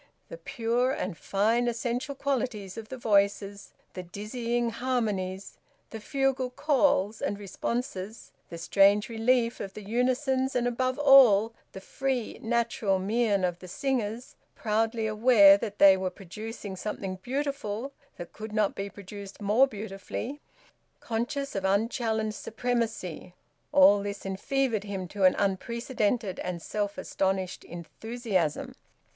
The pure and fine essential qualities of the voices, the dizzying harmonies, the fugal calls and responses, the strange relief of the unisons, and above all the free, natural mien of the singers, proudly aware that they were producing something beautiful that could not be produced more beautifully, conscious of unchallenged supremacy, all this enfevered him to an unprecedented and self astonished enthusiasm.